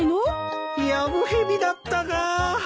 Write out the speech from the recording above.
やぶ蛇だったか。